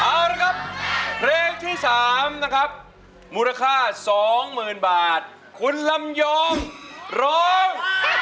เอาละครับเพลงที่๓นะครับมูลค่า๒๐๐๐บาทคุณลำยองร้อง